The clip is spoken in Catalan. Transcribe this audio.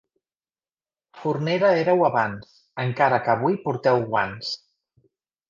Fornera éreu abans, encara que avui porteu guants.